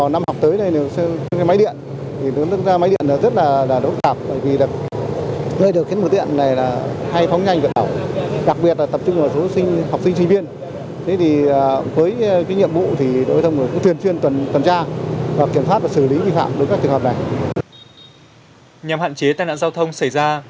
nhằm hạn chế tai nạn giao thông xảy ra